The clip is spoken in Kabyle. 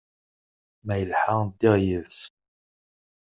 Ma yelḥa, ddiɣ yid-s.